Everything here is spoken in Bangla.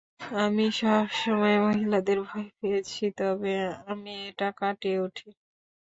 আমি সবসময় মহিলাদের ভয় পেয়েছি, তবে আমি এটা কাটিয়ে উঠি।